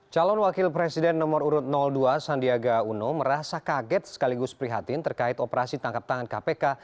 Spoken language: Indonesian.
calon wakil presiden nomor urut dua sandiaga uno merasa kaget sekaligus prihatin terkait operasi tangkap tangan kpk